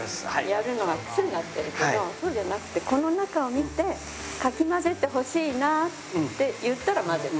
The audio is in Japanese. やるのがクセになってるけどそうじゃなくてこの中を見て「かき混ぜてほしいな」って言ったら混ぜる。